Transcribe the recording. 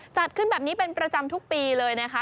จัดขึ้นแบบนี้เป็นประจำทุกปีเลยนะคะ